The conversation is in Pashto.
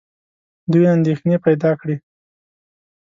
دوی اندېښنې پیدا کړې.